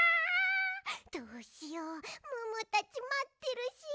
どうしようムームーたちまってるし。